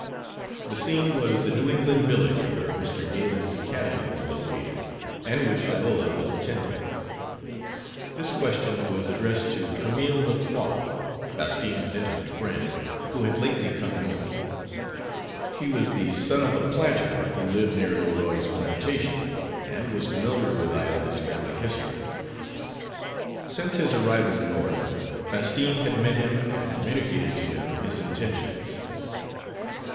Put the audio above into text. The scene was the New England village where Mr. Galen's academy was located, and which Iola was attending. This question was addressed to Camille Lecroix, Bastine's intimate friend, who had lately come North. He was the son of a planter who lived near Leroy's plantation, and was familiar with Iola's family history. Since his arrival North, Bastine had met him and communicated to him his intentions.